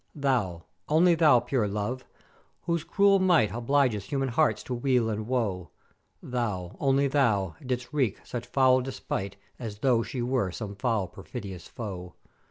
"Thou, only thou, pure Love, whose cruel might obligeth human hearts to weal and woe, thou, only thou, didst wreak such foul despight, as though she were some foul perfidious foe.